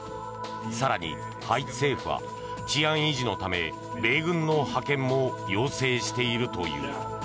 更に、ハイチ政府は治安維持のため米軍の派遣も要請しているという。